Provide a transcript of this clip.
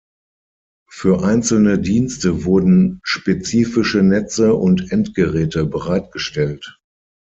Für einzelne Dienste wurden spezifische Netze und Endgeräte bereitgestellt.